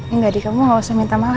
enggak di kamu gak usah minta maaf